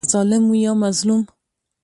که ظالم وي یا مظلوم.